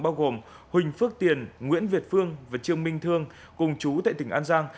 bao gồm huỳnh phước tiền nguyễn việt phương và trương minh thương cùng chú tại tỉnh an giang